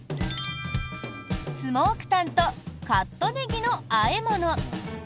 スモークタンとカットネギの和え物。